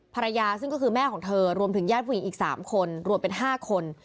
ภรรยาซึ่งก็คือแม่ของเธอรวมถึงญาติผู้หญิงอีก๓คนรวมเป็น๕คน